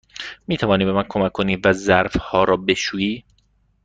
می توانی به من کمک کنی و ظرف ها را بشویی؟